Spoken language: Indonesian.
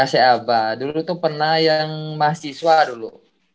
ya seaba dulu tuh pernah yang mahasiswa dulu